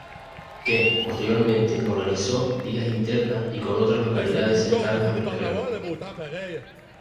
Que, posteriormente organizó ligas internas y con otras localidades cercanas al Recreo.